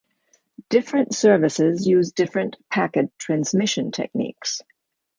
Different services use different packet transmission techniques.